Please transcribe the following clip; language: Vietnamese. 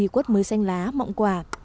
mưa xanh lá mọng quả